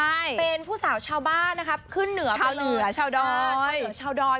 ไม่ต้องเป็นผู้สาวชาวบ้านนะครับขึ้นเหนือชาวเดรอชาวเดรอ